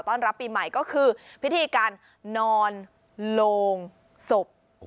รับปีใหม่ก็คือพิธีการนอนโลงศพ